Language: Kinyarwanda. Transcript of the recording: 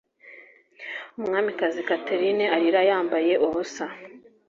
umwamikazi catherine arira yambaye ubusa